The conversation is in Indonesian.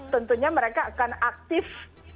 tentunya mereka akan aktif